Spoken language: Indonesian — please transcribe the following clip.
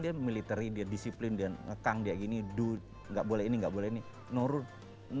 itu kan military dia disiplin dia ngekang dia gini do gak boleh ini gak boleh ini no rule